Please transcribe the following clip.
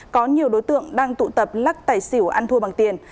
có nhiều đối tượng đang tụ tập lắc tài xỉu ăn thua bằng tiền